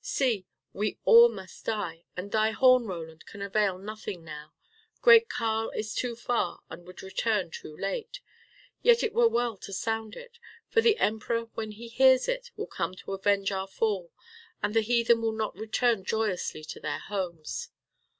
See! we all must die, and thy horn, Roland, can avail nothing now. Great Karl is too far and would return too late. Yet it were well to sound it. For the Emperor when he hears it will come to avenge our fall, and the heathen will not return joyously to their homes.